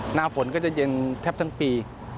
หน้าฝนก็จะเย็นแทบทั้งปี